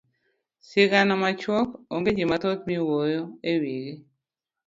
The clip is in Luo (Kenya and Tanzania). sigana machuok onge jii mathoth miwuyo ewigi.